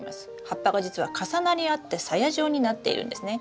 葉っぱが実は重なり合って鞘状になっているんですね。